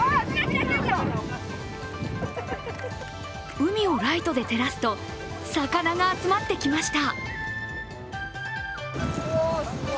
海をライトで照らすと、魚が集まってきました。